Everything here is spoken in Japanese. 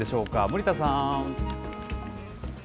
森田さん。